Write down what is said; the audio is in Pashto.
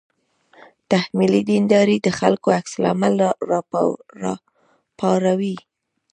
تحمیلي دینداري د خلکو عکس العمل راپاروي.